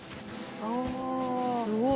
あすごい。